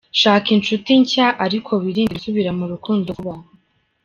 Shaka inshuti nshya ariko wirinde gusubira mu rukundo vuba.